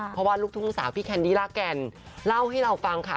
เพราะว่าลูกทุ่งสาวพี่แคนดี้ลาแก่นเล่าให้เราฟังค่ะ